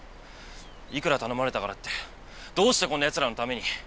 いくら頼まれたからってどうしてこんなヤツらのために。